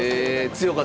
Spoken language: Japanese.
強かった？